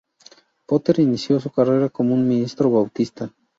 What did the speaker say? Potter inició su carrera como un ministro bautista.